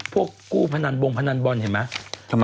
กู้พนันบงพนันบอลเห็นไหม